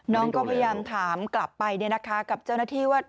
น้องก็พยายามถามกลับไปกับเจ้าหน้าที่ว่า